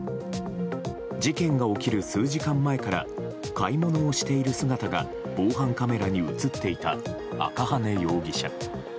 事件が起きる数時間前から買い物をしている姿が防犯カメラに映っていた赤羽容疑者。